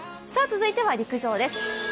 続いては陸上です。